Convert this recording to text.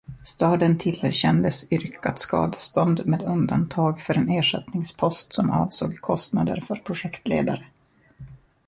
Staden tillerkändes yrkat skadestånd med undantag för en ersättningspost som avsåg kostnader för projektledare.